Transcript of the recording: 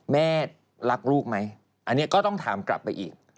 แม่รักลูกไหมอันนี้ก็ต้องถามกลับไปอีก